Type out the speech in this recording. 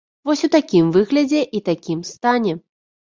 Вось у такім выглядзе і такім стане.